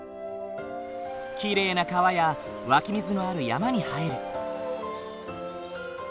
きれいな川や湧き水のある山に生える。